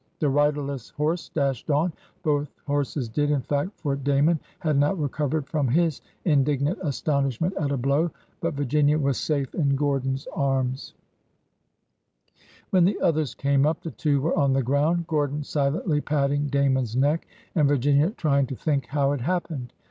The riderless horse dashed on. Both horses did, in fact, for Damon had not recovered from his indignant astonish ment at a blow. But Virginia was safe in Gordon's arms. WHEN HEARTS ARE YOUNG 145 When the others came up, the two were on the ground, Gordon silently patting Damon's neck, and Virginia try ing to think how it happened.